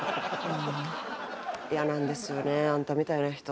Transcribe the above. イヤなんですよねあんたみたいな人。